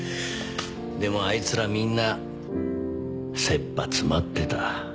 でもあいつらみんな切羽詰まってた。